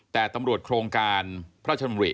แต่ตำรวจโครงการพระชมริ